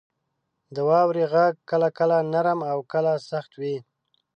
• د واورې غږ کله کله نرم او کله سخت وي.